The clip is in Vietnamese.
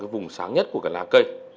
vùng sáng nhất của cái lá cây